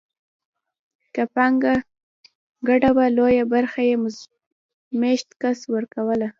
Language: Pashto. که پانګه ګډه وه لویه برخه یې مېشت کس ورکوله